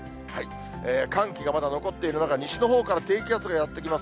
寒気がまだ残っている中、西のほうから低気圧がやって来ます。